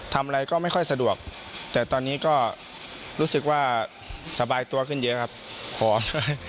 ทำอะไรก็ไม่ค่อยสะดวกแต่ตอนนี้ก็รู้สึกว่าสบายตัวขึ้นเยอะครับขอด้วย